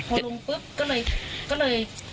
พอลงปุ๊บก็เลย